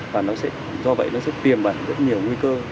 và nó sẽ do vậy nó sẽ tiềm ẩn rất nhiều nguy cơ